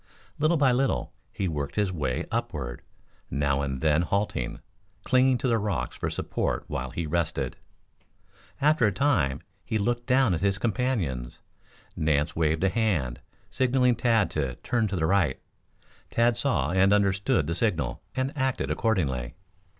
Little by little he worked his way upward, Now and then halting, clinging to the rocks for support while he rested. After a time he looked down at his companions. Nance waved a hand, signaling Tad to turn to the right. Tad saw and understood the signal and acted accordingly.